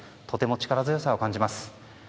とても力強さを感じます。